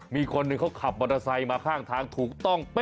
มีคนหนึ่งเขาขับมอเตอร์ไซค์มาข้างทางถูกต้อง